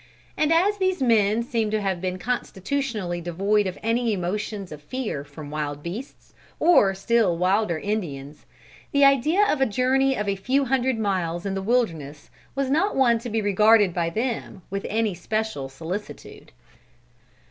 And as these men seem to have been constitutionally devoid of any emotions of fear from wild beasts, or still wilder Indians, the idea of a journey of a few hundred miles in the wilderness was not one to be regarded by them with any special solicitude.